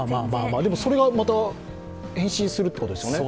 でも、それがまた変身するってことですよね？